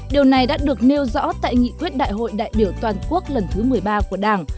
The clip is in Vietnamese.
điều này đã được nêu rõ tại nghị quyết đại hội đại biểu toàn quốc lần thứ một mươi ba của đảng